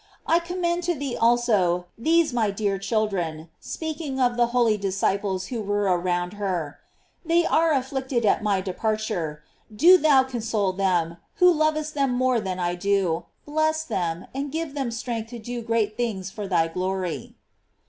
I com mend to thee, also, these my dear children (speaking of the holy disciples who were around her), they are afflicted at my departure ; do thou console them, who lovest them more than I do, bless them, and give them strength to do great things for thy glory.